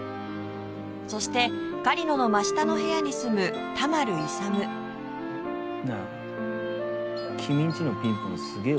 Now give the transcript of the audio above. そして狩野の真下の部屋に住む田丸勇なあ君んちのピンポンすげえ